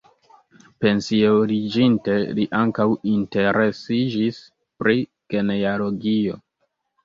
Pensiuliĝinte li ankaŭ interesiĝis pri genealogio.